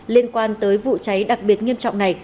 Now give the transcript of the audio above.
liên quan tới vụ cháy đặc biệt nghiêm trọng này